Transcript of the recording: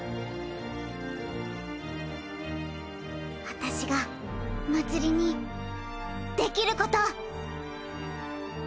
私がまつりにできること！